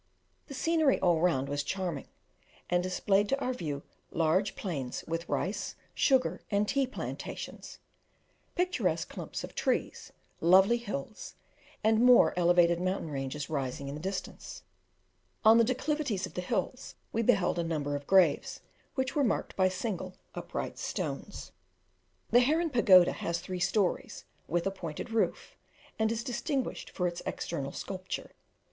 The scenery all round was charming, and displayed to our view large plains with rice, sugar, and tea plantations, picturesque clumps of trees, lovely hills, and more elevated mountain ranges rising in the distance. On the declivities of the hills, we beheld a number of graves, which were marked by single, upright stones. The Herren Pagoda has three stories, with a pointed roof, and is distinguished for its external sculpture.